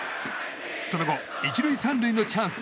その後、１塁３塁のチャンス。